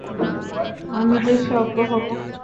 আমি যে সভ্য হব।